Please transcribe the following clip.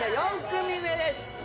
４組目です。